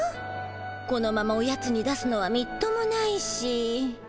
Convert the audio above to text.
このままおやつに出すのはみっともないしそうだ！